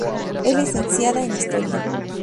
Es licenciada en historia.